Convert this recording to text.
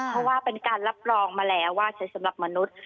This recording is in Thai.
เพราะว่าเป็นการรับรองมาแล้วว่าใช้สำหรับมนุษย์